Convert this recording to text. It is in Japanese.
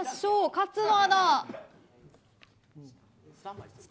勝野アナ。